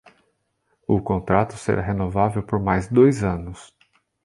O contrato será renovável por mais dois anos.